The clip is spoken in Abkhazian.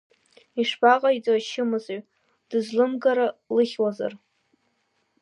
Ишԥаҟаиҵои ачымазаҩ дызлымгара лыхьуазар?!